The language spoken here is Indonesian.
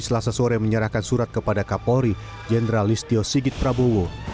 selasa sore menyerahkan surat kepada kapolri jenderal listio sigit prabowo